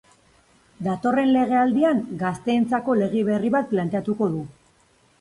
Datorren legealdian gazteentzako lege berri bat planteatuko du.